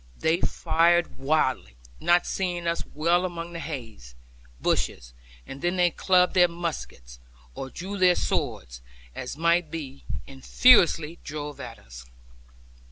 They fired wildly, not seeing us well among the hazel bushes; and then they clubbed their muskets, or drew their swords, as might be; and furiously drove at us.